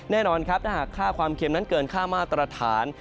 แน่นอนครับถ้าหากค่าความเค็มนั้นเกินค่ามาตรฐาน